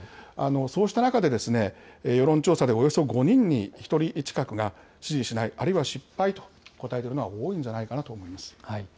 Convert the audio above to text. そうした中で、世論調査でおよそ５人に１人近くが、支持しない、あるいは失敗と答えているのは多いんじゃないかなと思います。